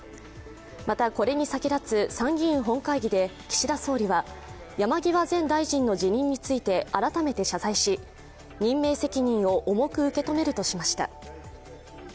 また、これに先立つ参議院本会議で岸田総理は山際前大臣の辞任について改めて謝罪し、任命責任を重く受け止めるとしました。